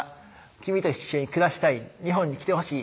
「君と一緒に暮らしたい日本に来てほしい」